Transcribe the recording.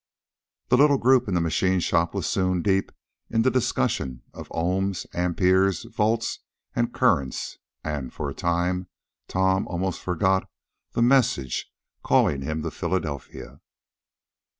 The little group in the machine shop was soon deep in the discussion of ohms, amperes, volts and currents, and, for a time, Tom almost forgot the message calling him to Philadelphia.